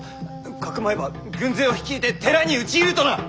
かくまえば軍勢を率いて寺に討ち入るとな！